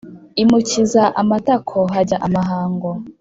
Imukiza amatako hajya amahango